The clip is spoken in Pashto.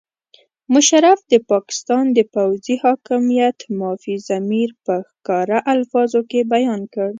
مشرف د پاکستان د پوځي حاکمیت مافي الضمیر په ښکاره الفاظو کې بیان کړ.